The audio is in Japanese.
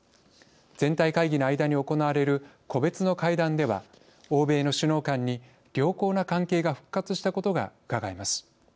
全体会議の間に行われる個別の会談では欧米の首脳間に良好な関係が復活したことがうかがえます。